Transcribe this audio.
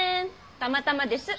たまたまですッ。